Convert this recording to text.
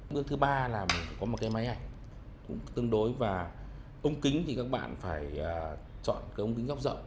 bước thứ ba là mình phải có một cái máy ảnh tương đối và ống kính thì các bạn phải chọn cái ống kính góc rộng